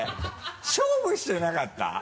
勝負してなかった？